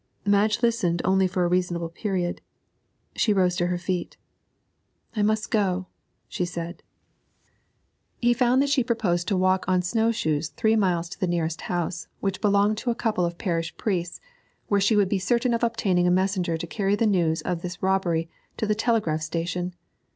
Madge listened only for a reasonable period; she rose to her feet. 'I must go,' she said. He found that she proposed to walk on snow shoes three miles to the nearest house, which belonged to a couple of parish priests, where she would be certain of obtaining a messenger to carry the news of the robbery to the telegraph station.